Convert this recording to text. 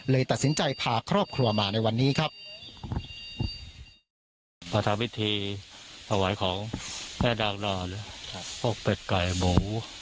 เลยตัดสินใจพาครอบครัวมาในวันนี้ครับมาทำวิธีถวายของแม่นางนอนพวกเป็ดไก่หมู